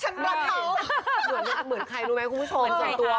ฉันรักเขาเหมือนใครรู้มั้ยคุณผู้ชม๒ตัว